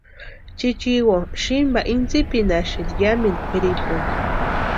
Chichiwo sïmpa intsipinhaxati yamintu kwʼiripuni.